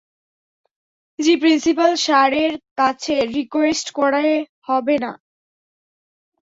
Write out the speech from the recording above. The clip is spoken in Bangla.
জি, প্রিন্সিপাল স্যারের কাছে রিকোয়েস্ট করে হবে না?